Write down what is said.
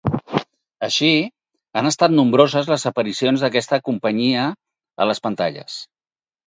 Així, han estat nombroses les aparicions d'aquesta companyia a les pantalles.